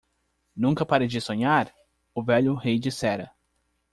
"Nunca pare de sonhar?" o velho rei dissera.